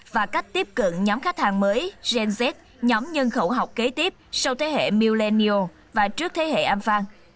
và cách tiếp cận nhóm khách hàng mới gen z nhóm nhân khẩu học kế tiếp sau thế hệ milanio và trước thế hệ amfan